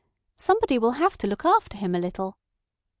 Somebody will have to look after him a little."